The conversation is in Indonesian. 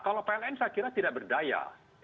kalau pln saya kira tidak berdaya